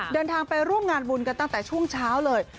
เดินทางไปร่วมงานบุญกันตั้งแต่ช่วงเช้าเลย